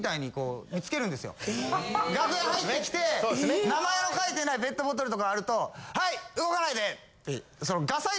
楽屋入ってきて名前の書いてないペットボトルとかがあると。